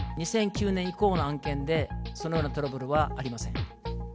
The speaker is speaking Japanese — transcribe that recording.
２００９年以降の案件で、そのようなトラブルはありません。